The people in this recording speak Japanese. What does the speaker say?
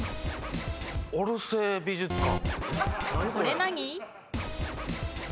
オルセー美術館。